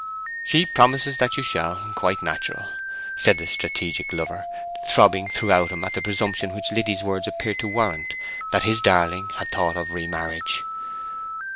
"She promises that you shall—quite natural," said the strategic lover, throbbing throughout him at the presumption which Liddy's words appeared to warrant—that his darling had thought of re marriage.